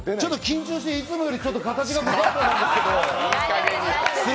緊張して、いつもより形が不格好なんですけど。